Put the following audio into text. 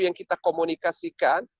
yang kita komunikasikan